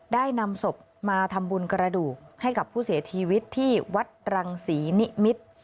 ได้นำศพมาทำบุญกระดูกให้กับผู้เสียชีวิตที่วัดรังศรีนิมิตร